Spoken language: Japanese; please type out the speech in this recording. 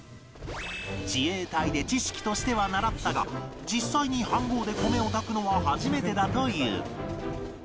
自衛隊で知識としては習ったが実際に飯ごうで米を炊くのは初めてだという